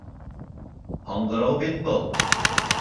Һаңғырау бит был!